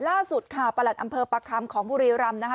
ล่าสุดค่ะประหลัดอำเภอประคำของบุรีรำนะคะ